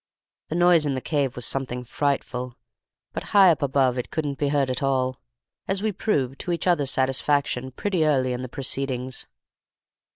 The noise in the cave was something frightful, but high up above it couldn't be heard at all, as we proved to each other's satisfaction pretty early in the proceedings.